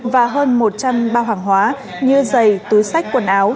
và hơn một trăm linh bao hàng hóa như giày túi sách quần áo